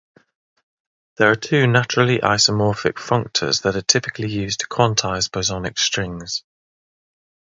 There are two naturally isomorphic functors that are typically used to quantize bosonic strings.